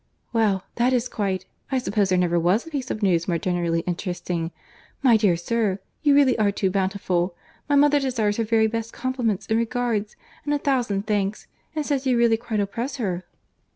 "Well! that is quite—I suppose there never was a piece of news more generally interesting. My dear sir, you really are too bountiful. My mother desires her very best compliments and regards, and a thousand thanks, and says you really quite oppress her."